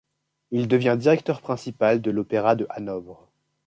Il devient directeur principal de l'Opéra de Hanovre.